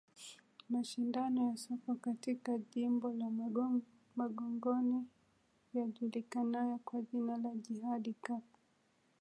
Mashindano ya soka katika Jimbo la Magogoni yajulikanayo kwa jina la Jihadi Cup